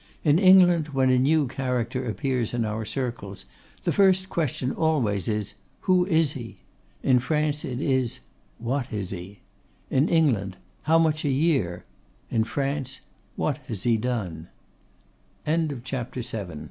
In England when a new character appears in our circles, the first question always is, 'Who is he?' In France it is, 'What is he?' In England, 'How much a year?' In France, 'What has he done?' CHAPTER VIII.